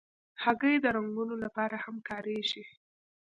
هګۍ د رنګونو لپاره هم کارېږي.